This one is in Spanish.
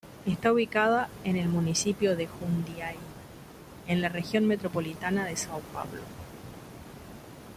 Está ubicada en el municipio de Jundiaí, en la Región Metropolitana de São Paulo.